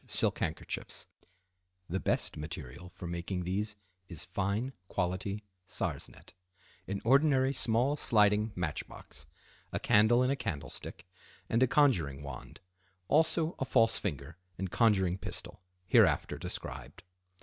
silk handkerchiefs (the best material for making these is fine quality sarcenet), an ordinary small sliding match box, a candle in a candlestick, and a conjuring wand; also a false finger and conjuring pistol, hereafter described.